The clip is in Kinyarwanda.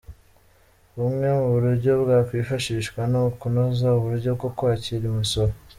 Bumwe mu buryo bwakwifashishwa ni ukunoza uburyo bwo kwakira imisoro.